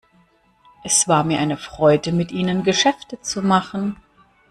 Es war mir eine Freude, mit Ihnen Geschäfte zu machen.